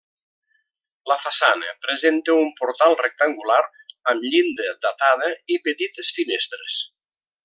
La façana presenta un portal rectangular amb llinda datada i petites finestres.